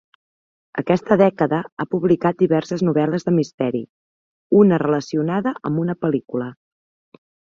Aquesta dècada ha publicat diverses novel·les de misteri, una relacionada amb una pel·lícula.